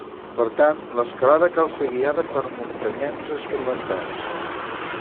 Per tant, l'escalada cal ser guiada per muntanyencs experimentats.